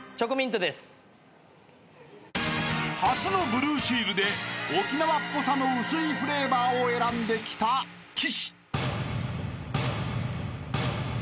［初のブルーシールで沖縄っぽさの薄いフレーバーを選んできた岸］